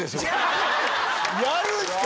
やるんすか！